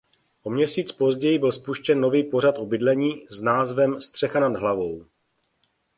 O měsíc později byl spuštěn nový pořad o bydlení s názvem "Střecha nad hlavou".